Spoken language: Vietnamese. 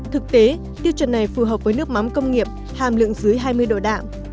thực tế tiêu chuẩn này phù hợp với nước mắm công nghiệp hàm lượng dưới hai mươi độ đạm